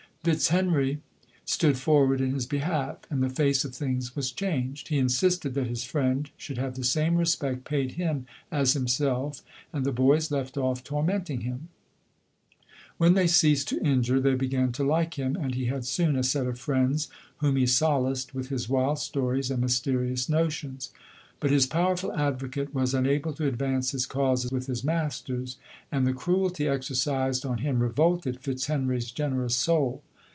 Fitzhenry stood forward in his behalf, and the face of things was changed. He insisted that his friend should have the same respect paid him as himself, and the boys left off tormenting lodori:. 79 him. When they ceased to injure, they began to like him, and he had soon a set of friends whom he solaced with his wild stories and mys terious notions. But his powerful advocate was unable to advance his cause with his masters, and the cruelty exercised on him revolted Fitz henry's generous soul.